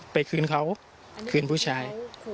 ไปคืนเขาคืนผู้ชาย